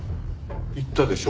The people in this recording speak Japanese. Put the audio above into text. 言ったでしょ。